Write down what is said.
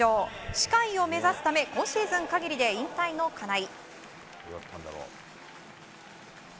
歯科医を目指すため今シーズン限りでの引退の金井。